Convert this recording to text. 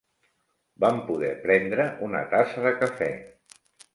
Vam poder prendre una tassa de cafè